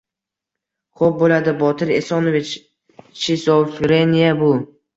— Xo‘p bo‘ladi, Botir Esonovich. Shizofreniya — bu